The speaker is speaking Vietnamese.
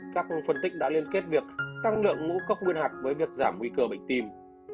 các phân tích đã liên kết việc tăng lượng ngũ cốc nguyên hạt với việc giảm nguy cơ bệnh tim